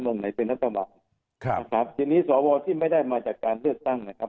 เมืองไหนเป็นรัฐบาลครับนะครับทีนี้สวที่ไม่ได้มาจากการเลือกตั้งนะครับ